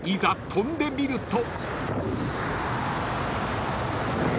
飛んでみると］